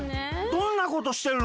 どんなことしてるの？